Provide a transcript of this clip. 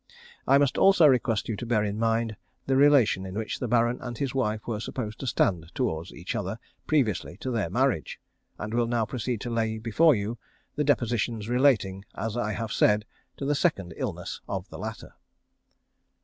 I must request you also to bear in mind the relation in which the Baron and his wife were supposed to stand towards each other previously to their marriage, and will now proceed to lay before you the depositions relating, as I have said, to the second illness of the latter.